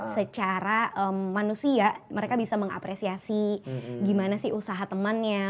secara manusia mereka bisa mengapresiasi gimana sih usaha temannya